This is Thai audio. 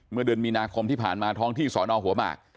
เมื่อเดือนมีนาคมที่ผ่านมาท้องที่สอนอหัวหมาก